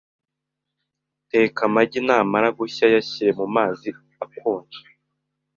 Teka amagi namara gushya yashyire mu mazi akonje